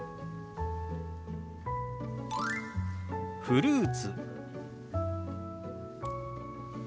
「フルーツ」。